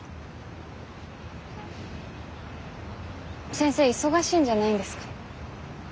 先生忙しいんじゃないんですか？